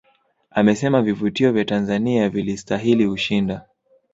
Amesema vivutio vya Tanzania vilistahili kushinda